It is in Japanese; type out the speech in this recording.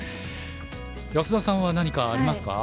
安田さんは何かありますか？